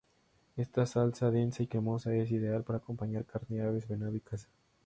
Esta salsa densa y cremosa, es ideal para acompañar carne, aves, venado y caza.